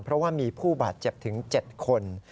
เพราะว่ามีผู้บาดเจ็บถึง๗คน